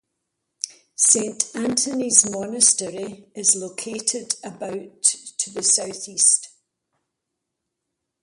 Saint Antony's Monastery is located about to the southeast.